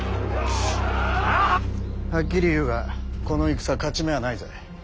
はっきり言うがこの戦勝ち目はないぜ。